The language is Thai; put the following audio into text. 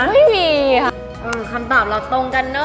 คำตอบเราตรงกันเนอะ